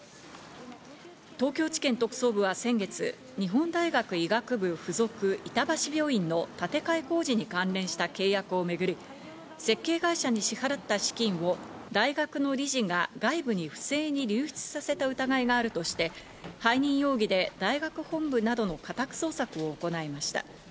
東京地検特捜部は先月、日本大学医学部付属板橋病院の建て替え工事に関連した契約をめぐり、設計会社に支払った資金を大学の理事が外部に不正に流出させた疑いがあるとして背任容疑で大学本部などの家宅捜索を行いました。